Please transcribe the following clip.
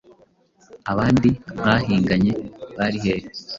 abandi mwahiganye bari hehe?”